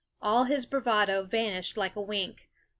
All his bravado vanished like a wink.